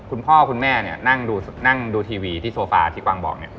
คุณพ่อคุณแม่นั่งดูทีวีที่โซฟาที่กวางบอก